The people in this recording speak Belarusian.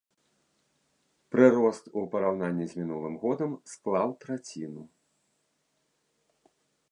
Прырост у параўнанні з мінулым годам склаў траціну.